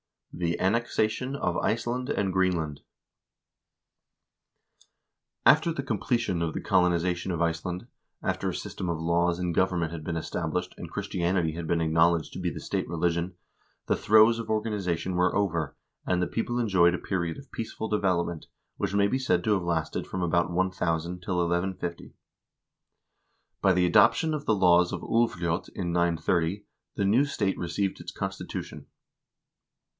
68. The Annexation of Iceland and Greenland After the completion of the colonization of Iceland, after a system of laws and government had been established, and Christianity had been acknowledged to be the state religion, the throes of organiza tion were over, and the people enjoyed a period of peaceful develop ment, which may be said to have lasted from about 1000 till 1150. By the adoption of the laws of Ulvljot in 930 the new state received its constitution.